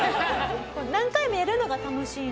何回もやるのが楽しい？